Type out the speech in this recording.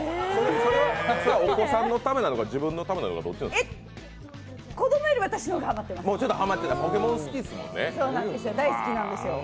それはお子さんのためなのか、自分のためなのか、どっちなんですか？